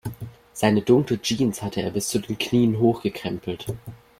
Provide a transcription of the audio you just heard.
Seine dunkle Jeans hatte er bis zu den Knien hochgekrempelt.